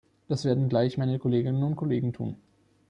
Das werden gleich meine Kolleginnen und Kollegen tun.